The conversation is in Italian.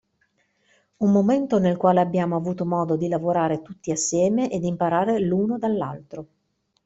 Un momento nel quale abbiamo avuto modo di lavorare tutti assieme e di imparare l'uno dall'altro.